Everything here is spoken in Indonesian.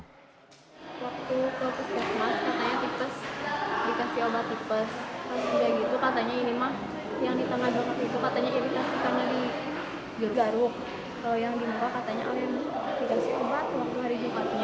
kalau yang dimulai katanya awalnya dikasih kebat waktu hari jubatnya malah nanti lupa lupa sendiri